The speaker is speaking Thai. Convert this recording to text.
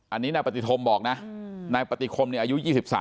อันนี้นายปฏิธมบอกนะนายปฏิคมอายุ๒๓